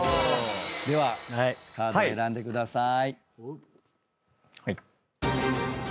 ではカードを選んでください。